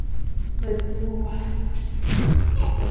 Ma dzing wa.